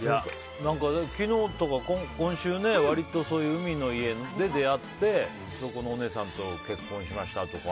昨日とか今週ね割とそういう海の家で出会ってそこのお姉さんと結婚しましたとか。